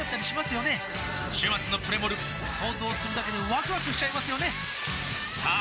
週末のプレモル想像するだけでワクワクしちゃいますよねさあ